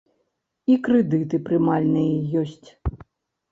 І крэдыты прымальныя ёсць.